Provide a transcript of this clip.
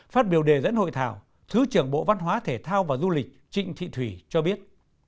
phát biểu đề dẫn hội thảo thứ trưởng bộ văn hóa thể thao và du lịch trịnh thị thủy cho biết